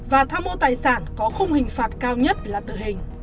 và tham mô tài sản có khung hình phạt cao nhất là tử hình